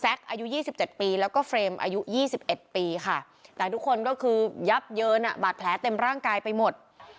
อายุ๒๗ปีแล้วก็เฟรมอายุ๒๑ปีค่ะแต่ทุกคนก็คือยับเยินอ่ะบาดแผลเต็มร่างกายไปหมด